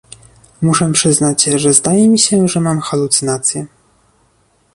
Muszę przyznać, że zdaje mi się, że mam halucynacje